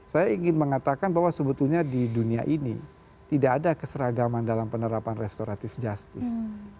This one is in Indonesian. saya ingin mengatakan bahwa sebetulnya di dunia ini tidak ada keseragaman dalam penerapan restoratif justice